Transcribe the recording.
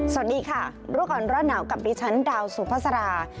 สวัสดีค่ะรูปกรรมร่าหนาวกับริชันดาวสูบภาษาลา